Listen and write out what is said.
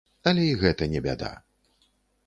Але і гэта не бяда.